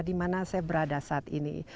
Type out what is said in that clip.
di mana saya berada saat ini